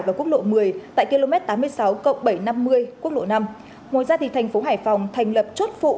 vào quốc lộ một mươi tại km tám mươi sáu cộng bảy trăm năm mươi quốc lộ năm ngồi ra thì thành phố hải phòng thành lập chốt phụ